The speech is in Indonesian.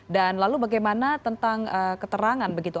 dan lalu bagaimana tentang keterangan begitu